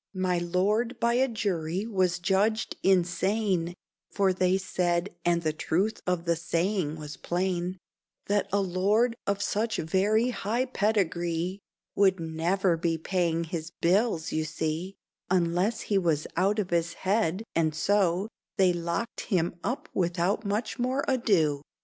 My lord by a jury was judged insane; For they said and the truth of the saying was plain That a lord of such very high pedigree Would never be paying his bills, you see, Unless he was out of his head; and so They locked him up without more ado.